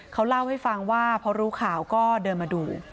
เขาเล่าให้ฟังว่าพอรู้ข่าวก็เดินมาดู